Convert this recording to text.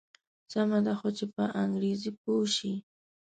سمه ده خو چې په انګریزي پوی شي.